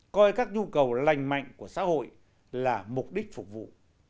coi các nhu cầu lành mạnh của xã hội là mục đích phục vụ